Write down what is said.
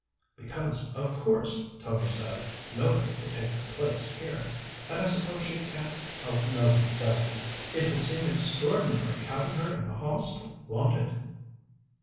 "Because, of course," Tony said, "nobody could take her place here. And I suppose she can't help knowing that. It will seem extraordinary having her in the Hostel, won't it?"